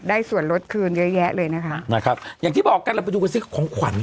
ส่วนลดคืนเยอะแยะเลยนะคะนะครับอย่างที่บอกกันเราไปดูกันซิของขวัญ